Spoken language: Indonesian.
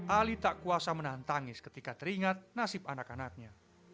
ali tak kuasa menahan tangis ketika teringat nasib anak anaknya